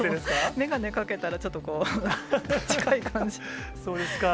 眼鏡かけたら、ちょっとこう、そうですか。